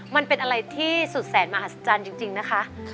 มันเป็นอะไรที่สุดแสนมหัศจรรย์จริงนะคะ